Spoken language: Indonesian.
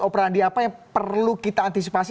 operandi apa yang perlu kita antisipasi